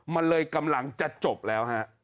มันเลยกำลังจะจบแล้วฮะ